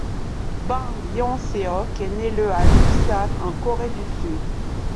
Bang Hyeon-seok est né le à Ulsan en Corée du Sud.